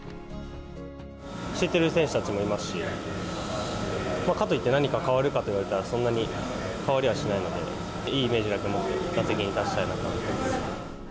知ってる選手たちもいますし、かといって、何か変わるかと言われたらそんなに変わりはしないので、いいイメージだけ持って、打席に立ちたいなと思います。